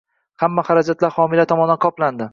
Hamma xarajatlar homiylar tomonidan qoplandi.